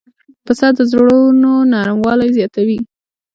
پسه د زړونو نرموالی زیاتوي.